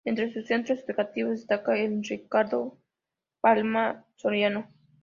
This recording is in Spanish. Entre sus centros educativos destaca el Ricardo Palma Soriano.